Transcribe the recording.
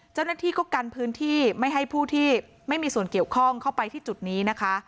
เจ้าหน้าที่ก็กันพื้นที่ไม่ให้ผู้ที่ไม่มีส่วนเกี่ยวข้องเข้าไปที่จุดนี้นะคะ